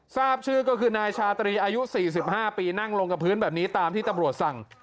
ทราบชื่อก็คือนายชาตรีอายุ๔๕ปีนั่งลงกับพื้นแบบนี้ตามที่ตำรวจสั่ง